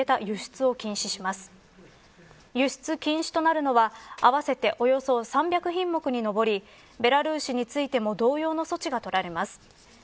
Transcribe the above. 輸出禁止となるのは合わせておよそ３００品目に上りベラルーシについても同様の措置が取られます。